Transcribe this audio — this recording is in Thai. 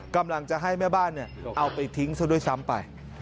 กำลังจะให้แม่บ้านเอาไปทิ้งซะด้วยซ้ำไป